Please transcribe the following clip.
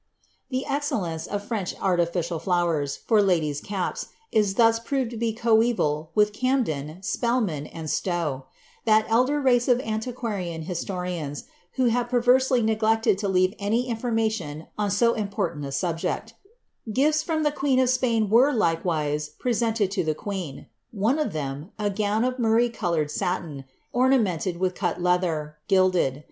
' The excellence of French artificial flowers, for ladies' caps, is thos proved to be coeval with Gamden, Spelman, and Slowe — that elder race of antiquarian historians, who have perversely neglected to leave any information on so important a subject Gifts from the queen of Spain were, likewise, presented to the queen ; one of them, a £^^^^ murrey coloured satin, ornamented wiUi cut leather. gilded.